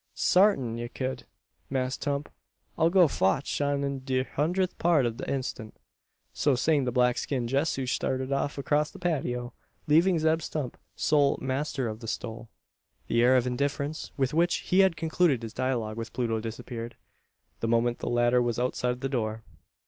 "Sartin' ye cud, Mass Tump. I go fotch 'im in de hundreth part ob an instant." So saying the black skinned Jehu started off across the patio, leaving Zeb Stump sole "master of the stole." The air of indifference with which he had concluded his dialogue with Pluto disappeared, the moment the latter was outside the door.